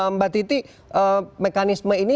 mbak titi mekanisme ini